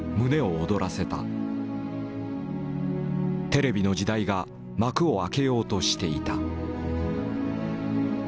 テレビの時代が幕を開けようとしていた。